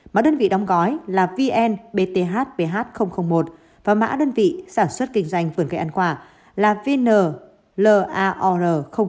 mã đơn vị đóng gói là vnbthbh một và mã đơn vị sản xuất kinh doanh vườn cây ăn quả là vnlar sáu